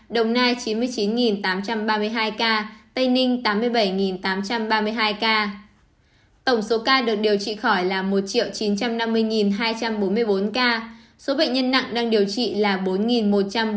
tổng số ca được điều trị khỏi là một chín trăm năm mươi hai trăm bốn mươi bốn ca số bệnh nhân nặng đang điều trị là bốn một trăm bốn mươi bảy ca